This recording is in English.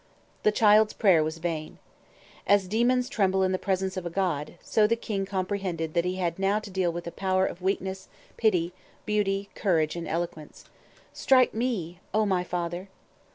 The child's prayer was vain. As demons tremble in the presence of a god, so the king comprehended that he had now to deal with a power of weakness, pity, beauty, courage, and eloquence. "Strike me, O my father!"